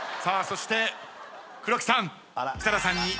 さあそして黒木さん。